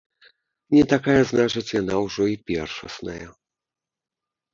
Не такая, значыць, яна ўжо і першасная.